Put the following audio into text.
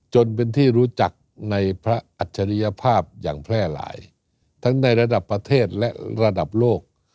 จนเป็นที่รู้จักในพระอัจฉริยภาพอย่างแพร่หลายทั้งในระดับประเทศและระดับโลก